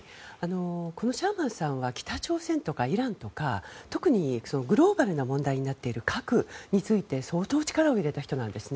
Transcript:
このシャーマンさんは北朝鮮とかイランとか特にグローバルな問題になっている核について相当力を入れた人なんです。